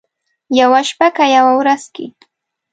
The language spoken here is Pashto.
یوه شپه که یوه ورځ کې،